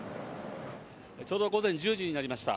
ちょうど午前１０時になりました。